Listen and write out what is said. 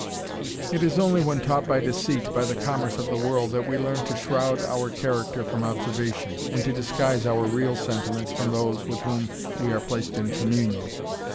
It is only when taught deceit by the commerce of the world, that we learn to shroud our character from observation, and to disguise our real sentiments from those with whom we are placed in communion.